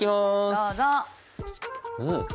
どうぞ！